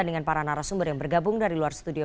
dengan para narasumber yang bergabung dari luar studio